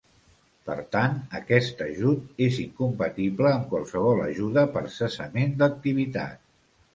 Per tant, aquest ajut és incompatible amb qualsevol ajuda per cessament d'activitat.